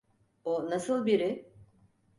O nasıl biri?